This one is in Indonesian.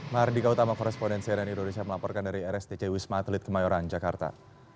mardika utama korrespondensi aden indonesia melaporkan dari rstc wisma atlet kemayoran jakarta